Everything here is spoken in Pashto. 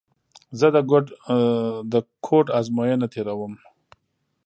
زه د کوډ ازموینه تېره ووم.